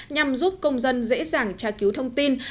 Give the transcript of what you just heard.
nhằm giúp công dân dễ dàng tra cứu thông tin